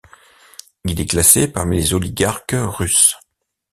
Il est classé parmi les oligarques russes.